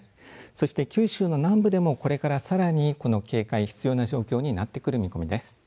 そして九州の南部でもこれからさらにこの警戒、必要な状況になってくる見込みです。